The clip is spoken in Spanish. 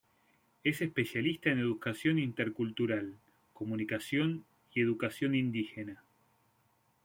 Es especialista en educación intercultural, comunicación y educación indígena.